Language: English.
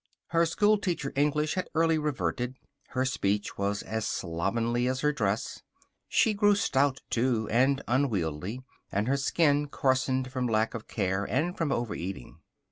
Her schoolteacher English had early reverted. Her speech was as slovenly as her dress. She grew stout, too, and unwieldy, and her skin coarsened from lack of care and from overeating.